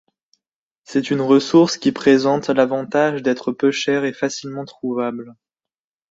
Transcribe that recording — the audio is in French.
C’est une ressource qui présente l'avantage d'être peu chère et facilement trouvable.